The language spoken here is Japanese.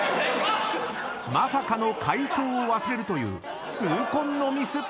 ［まさかの回答を忘れるという痛恨のミス］